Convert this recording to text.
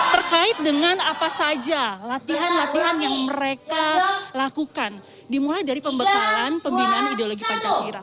terkait dengan apa saja latihan latihan yang mereka lakukan dimulai dari pembekalan pembinaan ideologi pancasila